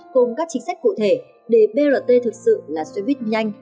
cùng các chính sách cụ thể để brt thực sự là xe buýt nhanh